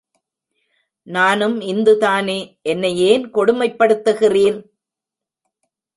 நானும் இந்து தானே, என்னை ஏன் கொடுமைப்படுத்துகிறீர்?